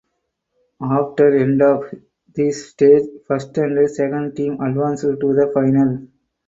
After end of this stage first and second team advanced to the final.